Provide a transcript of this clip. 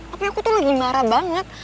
tapi aku tuh lagi marah banget